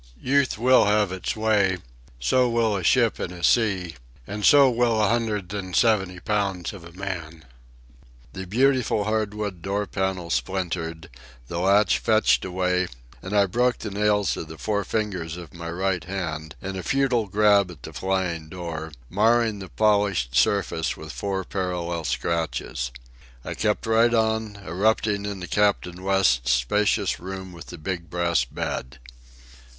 Youth will have its way. So will a ship in a sea. And so will a hundred and seventy pounds of a man. The beautiful hardwood door panel splintered, the latch fetched away, and I broke the nails of the four fingers of my right hand in a futile grab at the flying door, marring the polished surface with four parallel scratches. I kept right on, erupting into Captain West's spacious room with the big brass bed.